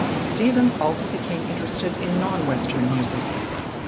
Stevens also became interested in non-Western music.